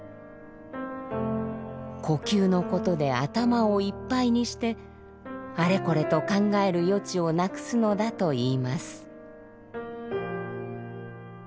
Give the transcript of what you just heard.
呼吸のことで頭をいっぱいにしてあれこれと考える余地をなくすのだといいます。